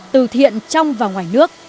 từ thiện trong và ngoài nước